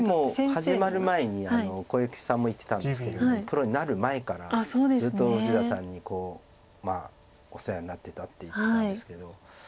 始まる前に小池さんも言ってたんですけどプロになる前からずっと富士田さんにお世話になってたって言ってたんですけど。